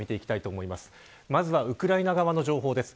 まずはウクライナ側の情報です。